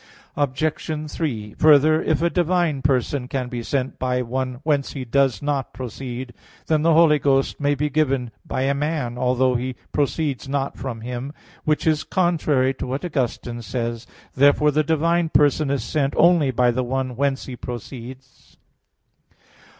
Obj. 3: Further, if a divine person can be sent by one whence He does not proceed, then the Holy Ghost may be given by a man, although He proceeds not from him; which is contrary to what Augustine says (De Trin. xv). Therefore the divine person is sent only by the one whence He proceeds.